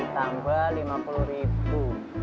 lima puluh tambah lima puluh ribu